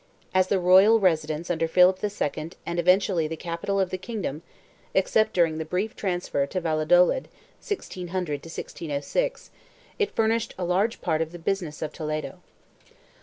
As the royal residence under Philip II and eventually the capital of the kingdom (except during the brief transfer to Valladolid, 1600 1606) it furnished a large part of the business of Toledo.